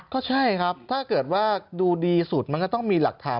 ก็ใช่ครับถ้าเกิดว่าดูดีสุดมันก็ต้องมีหลักฐาน